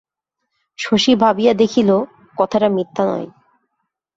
শশী ভাবিয়া দেখিল, কথাটা মিথ্যা নয়।